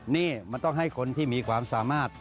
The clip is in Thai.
นี่มันต้องให้คนที่มีความสามารถ